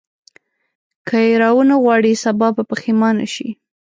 که یې راونه غواړې سبا به پښېمانه شې.